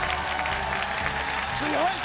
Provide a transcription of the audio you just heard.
強い！